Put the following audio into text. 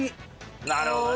なるほどね。